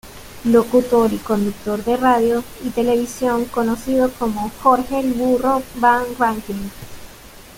Locutor y conductor de radio y televisión conocido como 'Jorge "El Burro" Van Rankin'.